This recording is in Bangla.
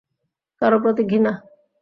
কারো প্রতি ঘৃণা।